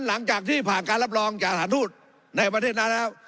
หลังจากที่ผ่านการรับรองจากสถานทูตในประเทศนั้นแล้ว